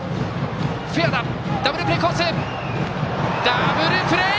ダブルプレー！